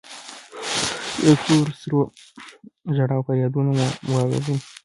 چې د تور سرو ژړا و فريادونه مو واورېدل.